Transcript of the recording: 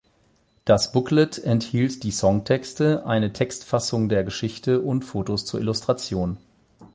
Das Booklet enthielt die Songtexte, eine Textfassung der Geschichte und Fotos zur Illustration.